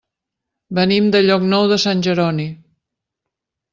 Venim de Llocnou de Sant Jeroni.